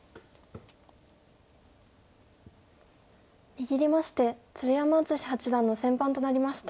握りまして鶴山淳志八段の先番となりました。